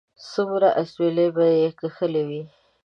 څومره اسويلي به یې کښلي وي